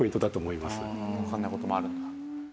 わかんない事もあるんだ。